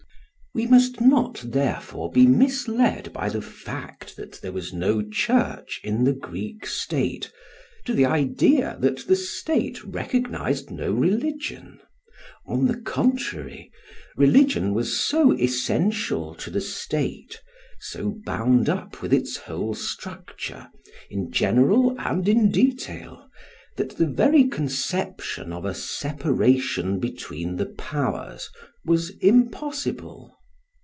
We must not therefore be misled by the fact that there was no church in the Greek state to the idea that the state recognised no religion; on the contrary, religion was so essential to the state, so bound up with its whole structure, in general and in detail, that the very conception of a separation between the powers was impossible.